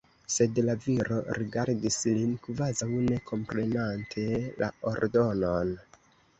Sed la viro rigardis lin, kvazaŭ ne komprenante la ordonon.